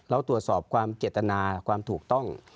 เราตรวจสอบความเจตนาความถูกต้อง